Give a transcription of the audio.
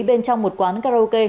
bên trong một quán karaoke